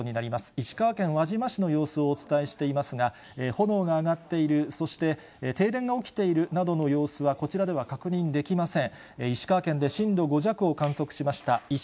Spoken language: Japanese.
石川県輪島市の様子をお伝えしていますが、炎が上がっている、そして停電が起きているなどの様子はこちらでは確認できません。